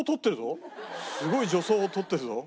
すごい助走を取ってるぞ。